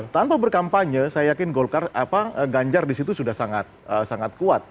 tanpa berkampanye saya yakin golkar ganjar di situ sudah sangat kuat